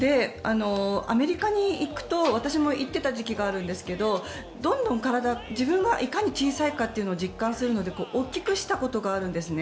アメリカに行くと私も行っていた時期があるんですけどどんどん体自分がいかに小さいかというのを実感するので大きくしたことがあるんですね。